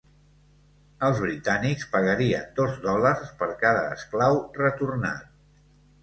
Els britànics pagarien dos dòlars per cada esclau retornat.